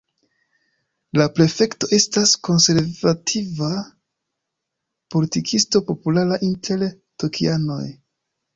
La prefekto estas konservativa politikisto populara inter tokianoj.